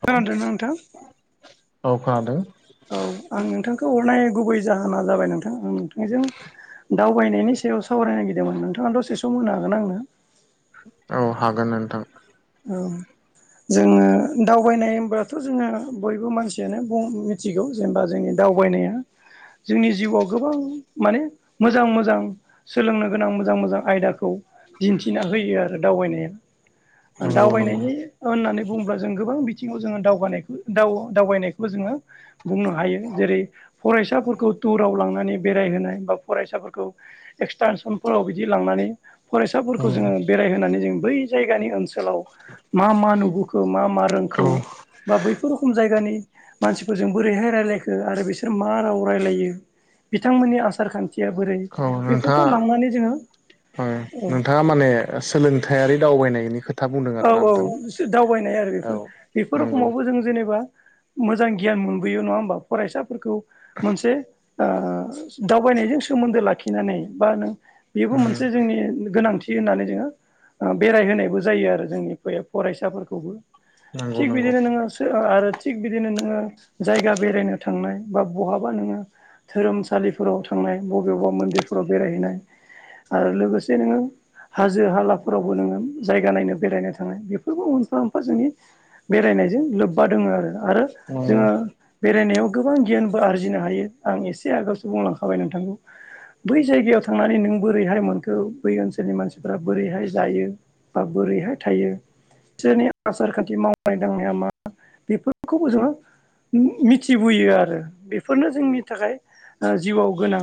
[unintelligible] औ औ खोनादों आं नोंथांखौ हरनाय गुबै जाहोना जाबाय नोंथां आं नोंथांजों दावबायनायनि सायाव सावरायनो नागिरदोंमोन नोंथाङा दसे सम मोनो हागोन आंनो औ हागोन नोंथां औ जोङो दावबायनाय होनब्लाथ' जोङो बयबो मानसियानो मिथिगौ जेनेबा जोंनि दावबायनाया जोंनि जिउआव गोबां माने मोजां मोजां सोलोंनो गोनां मोजां मोजां आयदाखौ दिन्थिना होयो आरो दावबायनाया नंगौ नंगौ दावबायनायनि होननानै बुङोब्ला जों गोबां बिथिङाव जोङो दावगानायखौ दावबायनायखौ जोङो बुंनो हायो जेरै फरायसाफोरखौ टुराव लांनानै बेरायहोनाय बा फरायसाफोरखौ एक्सटेनसनफोराव बिदि लांनानै फरायसाफोरखौ उम जोङो बेरायहोनानै जों बै जायगानि ओनसो ओथिखालाव मा मा नुबोखो मा मा औ रोंखौ बा बैफोर रोखम जायगानि मानसिफोरजों बोरैहाय रायजलायखो आरो बिसोर मा राव रायलायो। बिथांमोननि आसार खान्थिया बोरै औ बेफोरखौ नोंथाङा लांनानै जोङो ओ नोंथाङा माने सोलोंथायारि दावबायनायनि खोथा बुंदों औ आरोना औ नोंथां दावबायनाय आरो औ बेफोर बेफोर नंगौ रखमावबो जों जेनेबा मोजां गियान मोनबोयो नङा होमबा फरायसाफोरखौ मोनसे दावबायनायजों सोमोन्दो लाखिनानै बा नों बेबो उम मोनसे जोंनि गोनांथि। थि होननानै जोङो बेरायहोनायबो जायो आरो जोंनि फरायसाफोरखौबो नंगौ थिग नंगौ बिदिनो नोङो आरो थिग बिदिनो नोङो जायगा बेरायनो थांनाय बा बहाबा नोङो धोरोमसालिफोराव थांनाय बबेबा मन्दिरफोराव बेरायहैनाय आरो लोगोसे नोङो हाजो हालाफोरावबो नोङो जायगा नायनो बेरायनो थांनाय बेफोरबो मोनफा मोनफा जोंनि बेरायनायजों लोब्बा दङ आरो। आरो जोङो बेरायनायाव गोबां गियानबो आरजिनो हायो आं एसे आगोलसो बुंलांखाबाय नोंथां। बै जायगायाव थांनानै नों बोरैहाय मोनखो बै ओनसोलनि मानसिफ्रा बोरैहाय जायो बा बोरैहाय थायो सोरसोरनि आसार खान्थि मावनाय दांनाया मा बेफोरखौबो जोङो मिथिबोयो आरो बेफोरनो जोंनि थाखाय जिउआव गोनां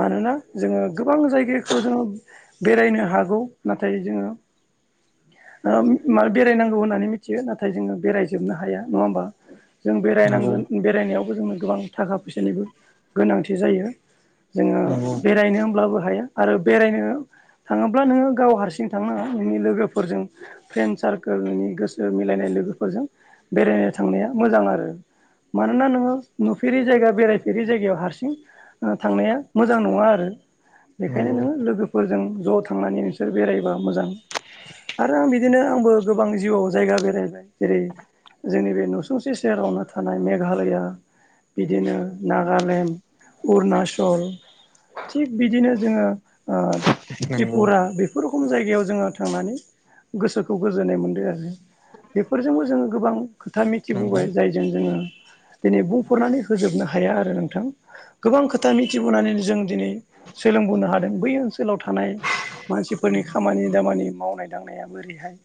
मानोना जोङो गोबां जायगाखौ जोङो बेरायनो हागौ नाथाय जोङो म बेरायनांगौ होननानै मिथियो नाथाय जोङो बेरायजोबनो हाया नङा होमबा? जों नंगौ बेरायनांगोन बेरायनायावबो जोंो गोबां थाखा फैसानिबो गोनांथि जायो। जोङो नंगौ बेरायनो होमब्लाबो हाया। आरो बेरायनो थाङोब्ला नोङो गाव हारसिं थांनाङा नोंनि लोगोफोर फोरजों फ्रेन्ड सारकोलोंनि गोसो मिलायनाय लोगोफोरजों बेरायनो थांनाया मोजां आरो। मानोना नोङो नुफेरि जायगा बेरायफेरि जायगायाव हारसिं थांनाया मोजां नङा आरो। बेखायनो नंगौ नोङो लोगोफोरजों ज' थांनानै नोंसोर बेरायबा मोजां आरो आं बिदिनो आंबो गोबां जिउआव जायगा बेरायबाय जेरै जोंनि बे नुसुंसे सहेरावनो थानाय मेघालया बिदिनो नागालेण्ड, अरुनाचल थिग बिदिनो जोङो नंगौ त्रिपुरा बेफोर रोखोम जायगायाव जोङो थांनानै गोसोखौ गोजोननाय मोनदों आरो बेफोरजोंबो जोङो गोबां खोथा नंगौ नंगौ मिथिबोबाय। जाय जों जोङो दिनै बुंफोरनानै होजोबनो हाया आरो नोंथां। गोबां खोथा मिथिबोनानै जों दिनै सोलोंबोनो हादों बै ओनसोलाव थानाय मानसिफोरनि खामानि दामानि मावनाय दांनाया बोरैहाय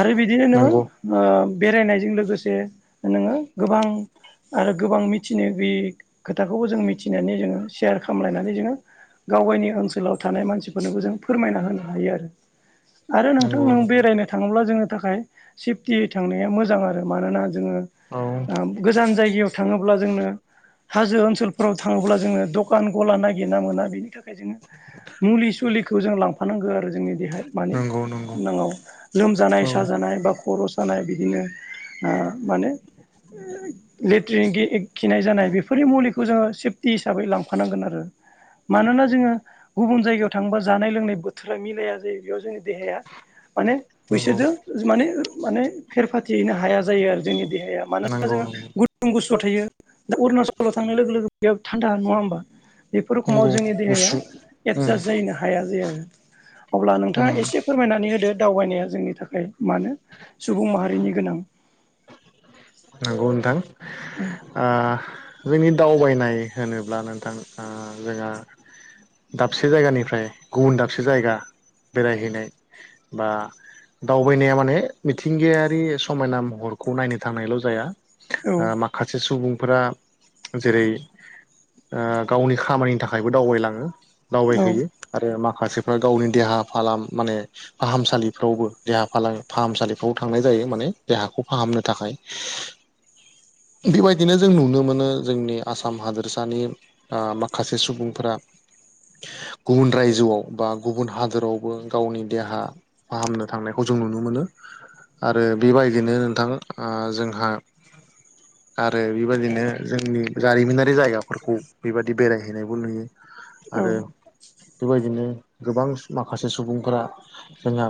आरो बिदिनो नंगौ नोङो बेरायनायजों लोगोसे नोङो गोबां आरो गोबां मिथिनो गैयि खोथाखौबो जों मिथिनानै जोङो सेयार खामलायनानै जोङो गाव गावनि ओनसोलाव थानाय मानसिफोरनोबो जों फोरमायना होनो हायो आरो। आरो नोंथां नंगौ नों नंगौ बेरायनो थाङोब्ला जोंनि थाखाय सेफटियै थांनाया मोजां आरो मानोना जोङो औ ओ गोजान जायगायाव थाङोब्ला जोंनो हाजो ओनसोलफोराव थाङोब्ला जोङो दखान गला नागिरना मोना बेनि थाखाय जोङो मुलि सुलिखौ जों लांफानांगौ आरो जोंनि देहाया माने नंगौ नंगौ नाङौ लोमजानाय औ साजानाय बा खर' जानाय बिदिनो आ माने लेट्रिन खिनाय जानाय बेफोरनि मुलिखौ जोङो सेफटि हिसाबै लांफानांगोन आरो। मानोना जोङो गुबुन जायगायाव थांङोबा जानाय लोंनाय बोथोरा मिलाया जायो बेयाव जोंनि देहाया माने नंगौ बिसोरजों माने माने फेर फाथिहैनो हाया जायो आरो जोंनि देहाया मानोना नंगौ जोङो नंगौ गुदुं गुसुआव थायो दा अरुणाचलाव थांनाय लोगो लोगो बेयाव थान्दा नङा होमबा। बेफोर रोखोमाव नंगौ जोंनि देहाया गुसु उम एडजास्ट जाहैनो हाया जाया आरो। अब्ला नोंथाङा उम एसे फोरमायनानै होदो दावबायनाया जोंनि थाखाय मानो सुबुं माहारिनि गोनां। औ नोंथां आ जोंनि दावबायनाय होनोब्ला आ नोंथां जोंहा दाबसे जायगानिफ्राय गुबुन दाबसे जायगा बेरायहैनाय बा दावबायनाया माने मिथिंगायारि समायना महरखौ नायनो थांनायल' जाया। औ ओ माखासे सुबुंफोरा जेरै ओ गावनि खामानिनि थाखायबो दावबायलाङो औ दावबायहैयो। आरो माखासेफ्रा गावनि देहा फालाम माने फाहामसालिफ्रावबो देहा फालाम फाहामसालिफ्राव थांनाय जायो माने देहाखौ फाहामनो थाखाय। बेफोरबायदिनो जों नुनो मोनो जोंनि आसाम हादोरसानि ओ माखासे सुबुंफोरा गुबुन रायजोआव बा गुबुन हादोरावबो गावनि देहा फाहामनो थांनायखौ जों नुनो मोनो आरो बेबायदिनो नोंथां जोंहा [unintelligible] आरो बेबायदिनो जोंनि जारिमिनारि जायगाफोरखौ बेबादि बेरायहैनायबो नुयो। [unintelligible] आरो बेबायदिनो गोबां माखासे सुबुंफोरा जोंहा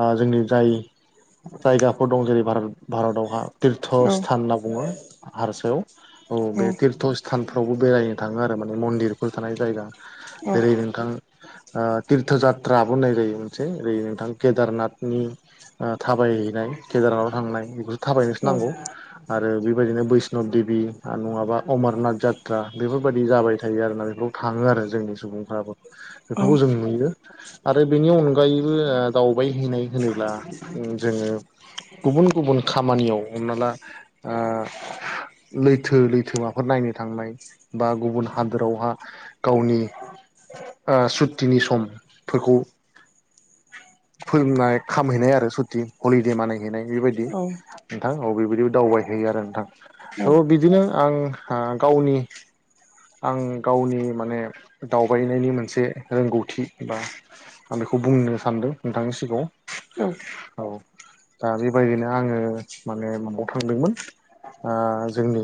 ओ जोंनि जाय जायगाफोर दं जेरै भारत भारतावहा तीर्थ औ स्थान होनना बुङो हारसायाव औ बे तीर्थ थानफ्रावबो बेरायनो थाङो आरो माने मन्दिरफोर थानाय जायगा औ जेरै नोंथां ओ तिरथ' जात्राबो नायलायो मोनसे ओरै नोंथां केदारनाथनि ओ थाबायहैनाय गेजानाव थांनाय बेखौसो थाबायनो [inaudible] आरो बेबायदिनो बैष्णब देबि आरो नङाबा अमरनाथ जात्रा बेफोरबायाददि जाबाय थायो आरोना बेखौ थाङो आरो जोंनि सुबुंफ्राबो औ बेफोरखौ जों नुयो आरो बेनि अनगायैबो दावबायहैनाय होनोब्ला जोङो गुबुन गुबुन खामानियाव हमना ला ओ लैथो लैथोमाफोर नायनो थांनाय। बा गुबुन हादोरावहा गावनि ओ सुतिनि समफोरखौ फोरोंनाय खामहैनाय आरो सुथि हलिदे मानिहैनाय बेबायदि। नोंथां अ बेेबायदि दावबायहैयो आरो नोंथां औ बिदिनो आं गावनि आं गावनि माने दावबायनायनि मोनसे रोंगौथि बा आं बेखौ बुंनो सानदों नोंथांनि सिगाङाव औ औ दा बेबायदिनो आङो माने माबायाव थांदोंमोन ओ जोंनि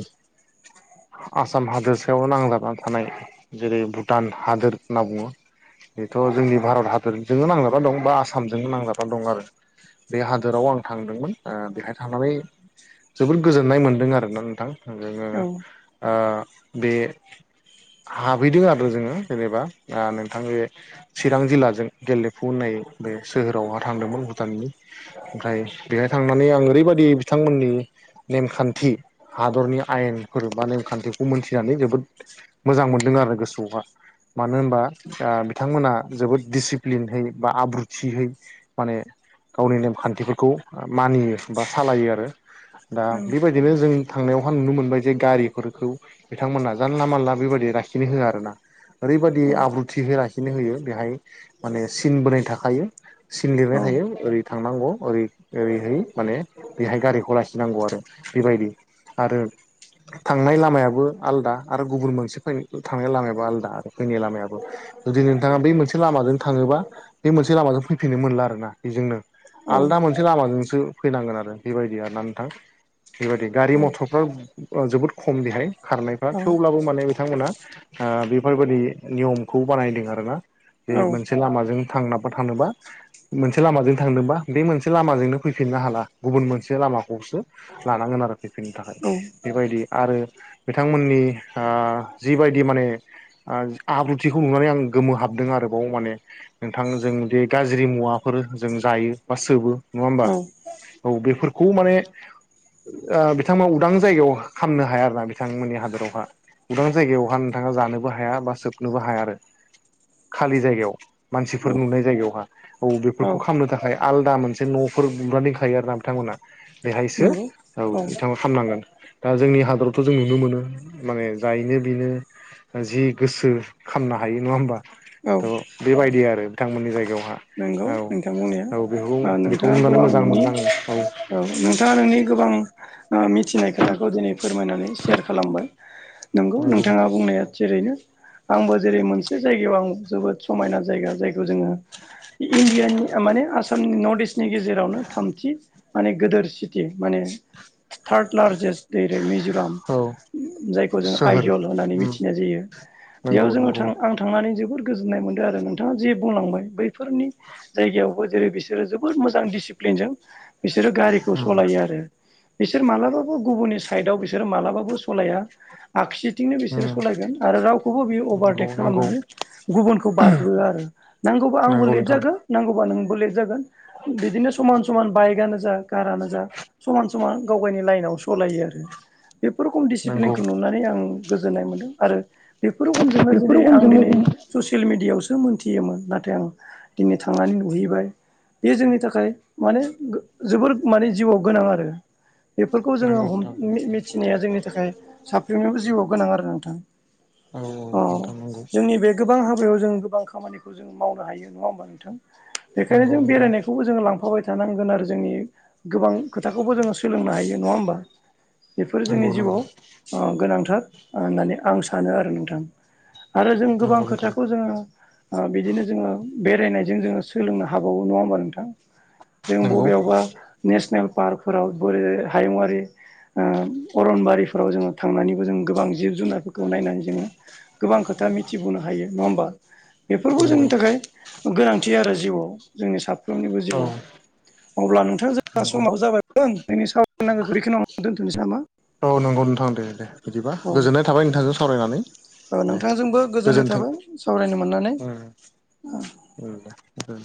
आसाम हादोरसायाव नांजाबना थानाय जेरै भुटान हादोर होनना बुङो। बेथ' जोंनि भारत हादरजोंनो नांजाबा दं बा आसामजोंनो नांजाबा दं आरो। बे हादोराव आं थांदोंमोन। ओ बेहाय थांनानै जोबोद गोजोननाय मोनदों आरोना नोंथां। जोङो ओ बे हाबहैदों आरो जोङो जेनेबा ओ नोंथांनि चिरां जिल्लाजों गेले फुने बे सोहोरावहा थांदोंमोन भुटाननि। ओमफ्राय बेहाय थांनानै आं ओरैबायदि बिथांमोननि नेमखान्थि हादरनि आयेनफोर बा नेमखान्थिखौ मोनथिनानै जोबोद मोजां मोनदों आरो गोसोआवहा। मानो होनबा बिथांमोना जोबोद दिडिसिप्लिनहै बा आब्रुथिरै माने गावनि नेमखान्थिफोरखौ मानियो बा सालायो आरो। दा बेबाय दिनो जों थांनायावहा नुनो मोनबाय जे गारिफोरखौ बिथांमोना जानला मानला बेबायदि लाखिनो होआ आरो ना। ओरैबादि आब्रुथि है लाखिनो होयो बेहाय माने सिन बोनाय थाखायो सिन लिरनाय थायो। ओरै थांनांगौ ओरै ओरैहाय माने बेहाय गारिखौ लासिनांगौ आरो बेबायदि। आरो थांनाय लामायाबो आलदा आरो गुबुन मोनसे फै थांनाय लामायाबो आलदा आरो फैनाय लामायाबो। जुदि नोंथाङा बै मोनसे लामाजों थाङोबा बे मोनसे लामाजों फैफिननो मोनला आरो ना बेजोंनो। आलदा औ मोनसे लामाजोंसो फैनांगोन आरो बेबायदि आरो ना नोंथां बेबायदि। गारि औ मथरफ्रा जोबोद खम बेहाय। खारनायफ्रा औ थेवब्लाबो माने बिथांमोना बेफोरबायाददि नियमखौ बानायदों आरोना। जे मोनसे लामाजों थांनाबा थानोबा मोनसे लामाजों थांदोंबा बे मोनसे लामाजोंनो फैफिननो हाला गुबुन मोनसे लामाखौसो लानांगोन आरो फैफिननो थाखाय। बेबायदि आरो बिथांमोननि ओ जिबायदि माने ओ आब्रुथिखौ नुनानै आं गोमो हाबदों आरोबाव माने नोंथां जों बे गाज्रि मुवाफोर जों जायो बा सोबो। नङा होमबा? औ बेफोरखौ माने बिथांमोना उदां जायगायाव खालामनो हाया आरो ना बिथांमोननि हादरावहा गोदां जायगायावहा नोंथाङा जानोबो हाया बा सोबनोबो हाया आरो खालि जायगायाव। मानसिफोर नुनाय जायगायावहा। औ बेफोरखौ खालामनो थाखाय आलदा मोनसे न'फोर लुना दोनखायो आर ना बिथांमोना। बेहायसो नंगौ औ बिथांआ खामनांगोन। दा जोंनि हादरावथ' जों नुनो मोनो माने जायनो बेनो जि गोसो खामनो हायो। नङा होमबा? औ थ' बेबायदि आरो बिथांमोननि जायगायावहा नंगौ औ नोंथां बुंनाया औ बेखौ बेखौ नोंथाङा नुनानै गोबां मोजां न'नि मोनदों आङो औ नोंथाङा नोंनि गोबां मिथिनाय खोथाखौ दिनै फोरमायनानै सेयार खालामबाय। नंगौ नोंथाङा बुंनाया थिरैनो। आंबो जेरै मोनसे जायगायाव आं जोबोद समायना जायगा जायखौ जोङो इण्डियानि माने आसामनि नर्थ इस्ट नि गेजेरावनो थामथि माने गोदोर सिटि माने थार्ड लार्जेस्ट रै मिज'राम औ जायखौ जों सोहोर आइजल होननानै उम मिथिनाय जायो। बेयाव नंगौ जोङो नंगौ थां आं थांनानै जोबोर गोजोननाय मोनदों आरो। नोंथाङा जे बुंलांबाय बैफोरनि जायगायावबो जेरै बिसोरो जोबोद मोजां डिसिप्लिनजों बिसोरो गारिखौ उम सालायो आरो। बिसोर मालाबाबो गुबुननि साइदआव बिसोर मालाबाबो सलाया। आखि बिथिंनो बिसोरो उम सलायगोन आरो रावखौबो बियो नंगौ अभारदेक नंगौ खालामनानै गुबुनखौ बारग्रोआ आरो नांगौबा आंबो नंगौ लेट नोंथां जागोन नांगौबा नोंबो लेट जागोन। बिदिनो समान-समान बाइकआनो जा, कारानो जा समान समान गाव गावनि लाइनाव सालायो आरो बेफोर खम नंगौ डिसिप्लिनखौ नुनानै आं गोजोननाय मोनदों आरो बेफोर रोखोमजोंनो बेफोर जनै आं रखमजोंनो दिनै जों ससियेल मिऔडियाायावसो मोनथियोमोन नाथाय आं दिनै थांनानै नुहैबाय। बे जोंनि थाखाय माने जोबोर माने जिउआव गोनां आरो बेफोरखौ जोङो नंगौ हम नोंथां मिथिनाया जोंनि थाखाय साफ्रोमनिबो जिउआव गोनां आरो नोंथां। औ अ नोंथां नंगौ जोंनि बे गोबां हाबायाव जों गोबां खामानिखौ जों मावनो हायो। नङा होमबा नोंथां? बेखायनो नंगौ जों नोंथां बेरायनायखौबो जों लांफाबाय थानांगोन आरो जोंनि गोबां खोथाखौबो जोङो सोलोंनो हायो। नङा होमबा? बेफोरो जोंनि नंगौ नंगौ जिउआव गोनांथार होननानै आं सानो आरो नोंथां। आरो जों गोबां नंगौ नोंथां खोथाखौ जोङो ओ बिदिनो जोङो बेरायनाय जों जोङो सोलोंनो हाबावो नङा होमबा नोंथां जों नंगौ बबेयावबा नेसनेल पार्कफोराव बोरै हायुङरारि ओ अरनबारिफोराव जोङो थांनानैबो जों गोबां जिउ जुनारफोरखौ नायनानै जोङो गोबां खोथा मिथिबावनो हायो नङा होमबा बेफोरखौ नंगौ जोंनि थाखाय गोनांथि आरो जिउआव जोंनि साफ्रोमनिबो औ जिउआव अब्ला नोंथां जोंना नंगौ समाबो जाबाय दों दिनै सावरायनांगौखौ बेखिनियावनो दोनथ'नोसै नामा? औ नंगौ नोंथां दे दे बिदिबा औ गोजोननाय थाबाय नोंथांजों सावरायनानै। दे नोंथांजोंबो गोजोननाय गोजोन्थों थाबाय सावरायनो मोननानै। उम उम दे